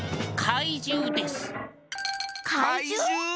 かいじゅう？